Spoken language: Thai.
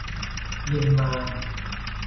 นิมมาน